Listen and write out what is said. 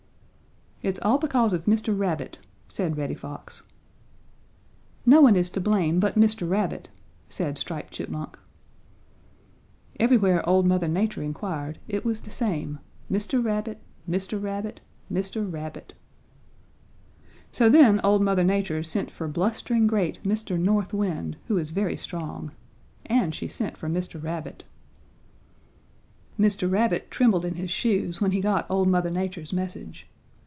"'It's all because of Mr. Rabbit,' said Reddy Fox. "'No one is to blame but Mr. Rabbit,' said Striped Chipmunk. "Everywhere old Mother Nature inquired it was the same Mr. Rabbit, Mr. Rabbit, Mr. Rabbit. "So then old Mother Nature sent for blustering great Mr. North Wind, who is very strong. And she sent for Mr. Rabbit. "Mr. Rabbit trembled in his shoes when he got old Mother Nature's message.